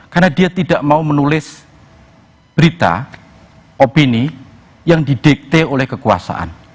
karena dia tidak mau menulis berita opini yang didikte oleh kekuasaan